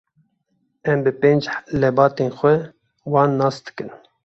Em bi pênc lebatên xwe wan nas dikin.